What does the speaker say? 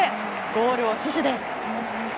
ゴールを死守です。